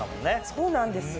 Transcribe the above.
そうなんです。